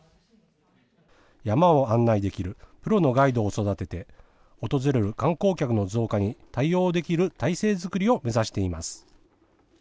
山を案内できるプロのガイドを育てて、訪れる観光客の増加に対応できる体制作りを目指しています。